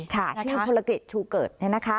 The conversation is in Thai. ค่ะชื่อภลกฤตชูเกิด